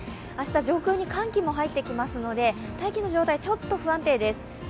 明日、上空に寒気も入ってきますので、大気の状態、ちょっと不安定です。